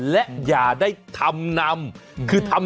แล้วอย่าได้ทำนำ